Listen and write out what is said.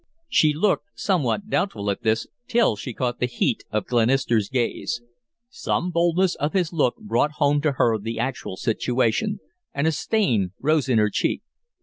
She looked somewhat doubtful at this till she caught the heat of Glenister's gaze. Some boldness of his look brought home to her the actual situation, and a stain rose in her cheek.